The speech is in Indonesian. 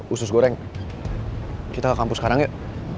usus goreng kita ke kampus sekarang yuk